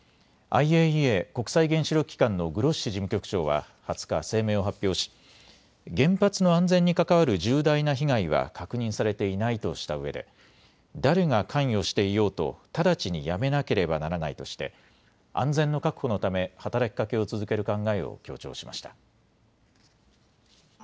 ＩＡＥＡ・国際原子力機関のグロッシ事務局長は２０日、声明を発表し原発の安全に関わる重大な被害は確認されていないとしたうえで誰が関与していようと直ちにやめなければならないとして安全の確保のため、働きかけを続ける考えを強調しました。